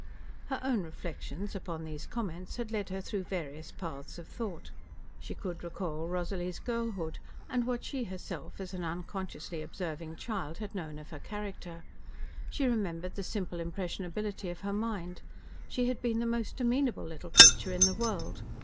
Her own reflections upon these comments had led her through various paths of thought. She could recall Rosalie's girlhood, and what she herself, as an unconsciously observing child, had known of her character. She remembered the simple impressionability of her mind. She had been the most amenable little creature in the world.